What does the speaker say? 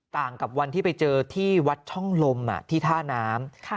กับวันที่ไปเจอที่วัดช่องลมที่ท่าน้ำ